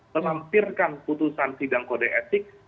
melampirkan putusan sidang kode etik